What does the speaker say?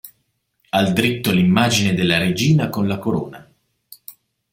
Al dritto l'immagine della regina con la corona.